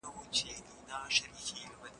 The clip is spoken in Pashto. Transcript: خوښ خلک عمر اوږد لري.